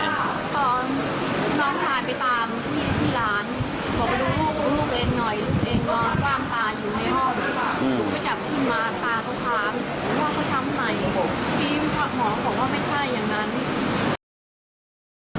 แล้วพี่หอบอกว่าไม่ใช่อย่างนั้น